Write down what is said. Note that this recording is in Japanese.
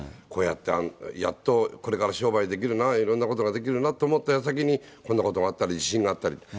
こうやって、やっとこれから商売できるな、いろんなことができるなと思ったやさきに、こんなことがあったり、地震があったり。